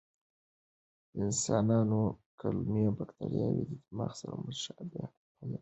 د انسانانو کولمو بکتریاوې د دماغ سره مشابه فعالیت ښود.